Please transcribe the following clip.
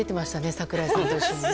櫻井さんと一緒に。